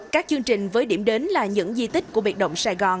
các chương trình với điểm đến là những di tích của biệt động sài gòn